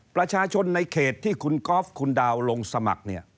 ประชาชนในเขตที่คุณก๊อฟคุณดาวลงสมัครเนี่ย